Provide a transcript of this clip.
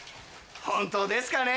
本当ですかね？